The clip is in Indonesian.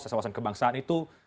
di seseorang kebangsaan itu